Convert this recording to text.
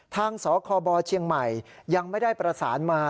ทางสคบเชียงใหม่ยังไม่ได้ประสานมา